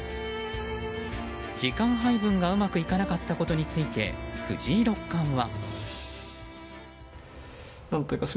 時間配分がうまくいかなかったことについて藤井六冠は。